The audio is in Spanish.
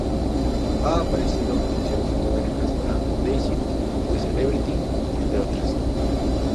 Ha aparecido en sesiones fotográficas para "Dazed", "The Celebrity", entre otras...